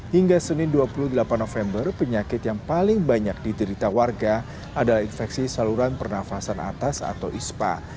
hingga senin dua puluh delapan november penyakit yang paling banyak diderita warga adalah infeksi saluran pernafasan atas atau ispa